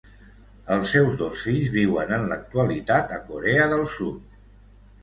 Els seus dos fills viuen en l'actualitat a Corea del Sud.